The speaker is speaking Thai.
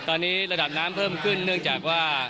ตอนนี้ระดับน้ำเพิ่มขึ้นเนื่องจากว่า